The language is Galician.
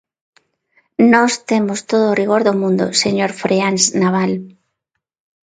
Nós temos todo o rigor do mundo, señor Freáns Nabal.